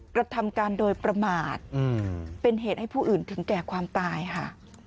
กระทำการโดยประมาทเป็นเหตุให้ผู้อื่นถึงแก่ความตายค่ะ